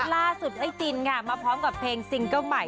ล่าสุดไอ้จินค่ะมาพร้อมกับเพลงซิงเกิ้ลใหม่